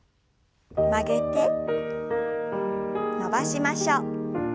曲げて伸ばしましょう。